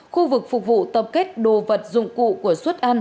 khu vực phục vụ tập kết đồ vật dụng cụ của suất ăn